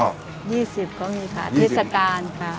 ๒๐กว่ามีค่ะที่สกาล